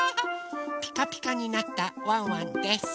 ピカピカになったワンワンです！